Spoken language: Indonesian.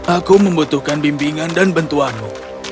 aku membutuhkan bimbingan dan bantuanmu